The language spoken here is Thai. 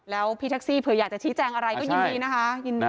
แล้วพี่แท็กซี่เผื่ออยากจะชี้แจงอะไรก็ยินดีนะคะ